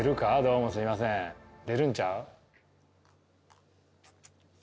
出るんちゃう？